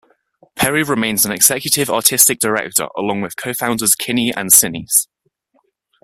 Perry remains an Executive Artistic Director along with co-founders Kinney and Sinise.